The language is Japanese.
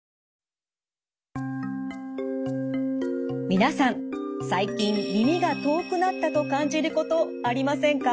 皆さん最近耳が遠くなったと感じることありませんか？